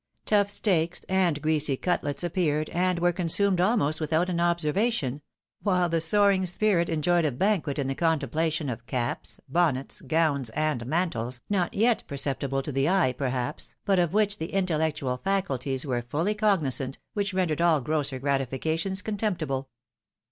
Tough steaks, and greasy cutlets appeared, and were consumed almost without an observation ; while the soaring spirit enjoyed a banquet in the contemplation of caps, bonnets, gowns, and mantles, not yet perceptible to the eye, perhaps, but of which the intellectual faculties were fully cognisant, which rendered all grosser gratifications contemptible.